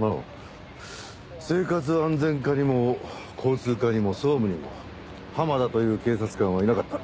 ああ生活安全課にも交通課にも総務にも浜田という警察官はいなかった。